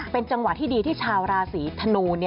เป็นจังหวะที่ดีที่ชาวราศีธนู